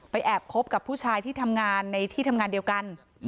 แอบคบกับผู้ชายที่ทำงานในที่ทำงานเดียวกัน